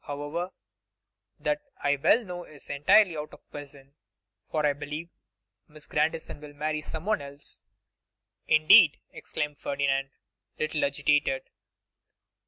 However, that I well know is entirely out of the question, for I believe Miss Grandison will marry someone else.' 'Indeed!' exclaimed Ferdinand, a little agitated.